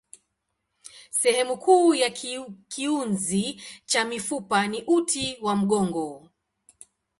Sehemu kuu ya kiunzi cha mifupa ni uti wa mgongo.